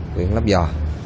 quyền lấp dò